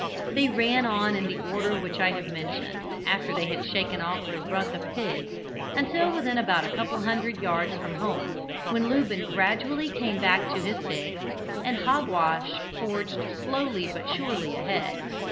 They ran on in the order which I have mentioned, after they had shaken off the "ruck" of pigs, until within about a couple of hundred yards from home, when Lubin gradually came back to his pigs, and Hogwash forged slowly but surely ahead.